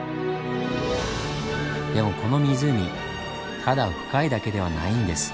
でもこの湖ただ深いだけではないんです。